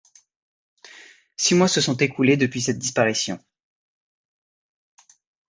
Six mois se sont écoulés depuis cette disparition.